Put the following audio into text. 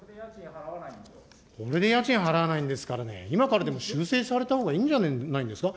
これで家賃払わないんですからね、今からでも修正されたほうがいいんじゃないですか。